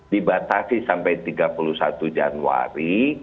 dibatasi sampai tiga puluh satu januari